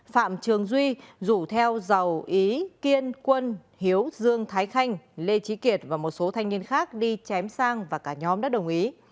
phạm trường duy rủ theo giàu ý kiên quân hiếu dương thái khanh lê trí kiệt và một số thanh niên khác đi chém sang và cả nhóm đã đồng ý